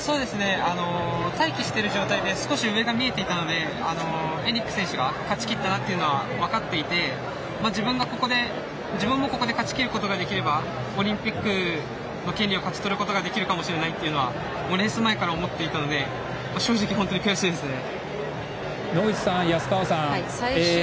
待機している状態で勝ちきったのが分かっていたので自分も、ここで勝ちきることができればオリンピックの権利を勝ち取ることができるかもしれないというのはレース前から思っていたので正直、悔しいですね。